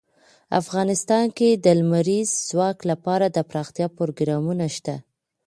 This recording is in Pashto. افغانستان کې د لمریز ځواک لپاره دپرمختیا پروګرامونه شته.